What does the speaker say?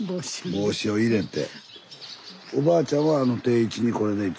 帽子を入れて。